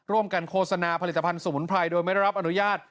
โฆษณาผลิตภัณฑ์สมุนไพรโดยไม่ได้รับอนุญาต